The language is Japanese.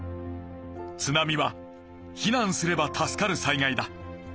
津波は避難すれば助かる災害だ。